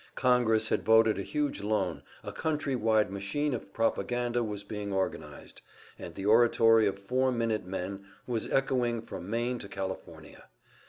Congress had voted a huge loan, a country wide machine of propaganda was being organized, and the oratory of Four Minute Men was echoing from Maine to California.